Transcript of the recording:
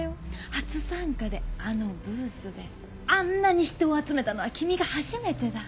初参加であのブースであんなに人を集めたのは君が初めてだ！